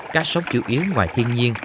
cá sống chủ yếu ngoài thiên nhiên